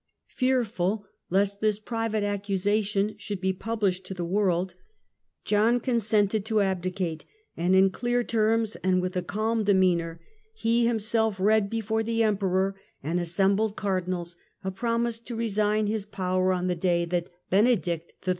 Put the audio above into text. Fearful lest this private accusation should be published to the world, John consented to abdicate, and in clear terms and with a calm demeanour he him 158 THE END OF THE MIDDLE AGE self read before the Emperor and assembled Cardinals a promise to resign his power on the day that Bene dict XIII.